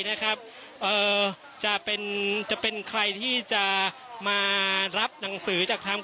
นะครับเอ่อจะเป็นจะเป็นใครที่จะมารับหนังสือจากทาง